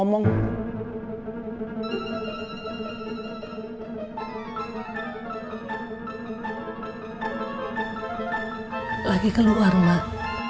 lagi keluar mak